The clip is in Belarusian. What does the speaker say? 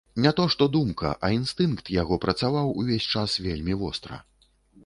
Не то што думка, а інстынкт яго працаваў увесь час вельмі востра.